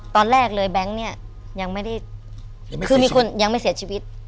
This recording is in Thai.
ตอนแรกเลยแบงค์เนี่ยยังไม่ได้คือมีคนยังไม่เสียชีวิต